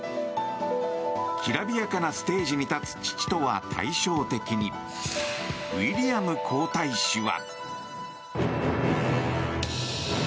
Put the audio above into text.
きらびやかなステージに立つ父とは対照的にウィリアム皇太子は。